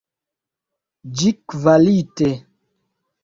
Ĝi kvalite.